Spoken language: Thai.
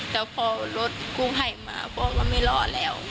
แต่พอรถกู้ภัยมาพ่อก็ไม่รอดแล้ว